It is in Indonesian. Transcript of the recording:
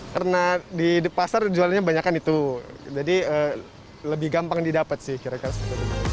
karena di pasar jualannya banyak kan itu jadi lebih gampang didapet sih kira kira